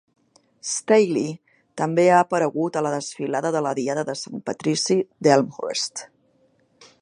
Staley també ha aparegut a la desfilada de la diada de Sant Patrici d'Elmhurst.